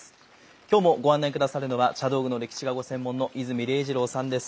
今日もご案内下さるのは茶道具の歴史がご専門の伊住禮次朗さんです。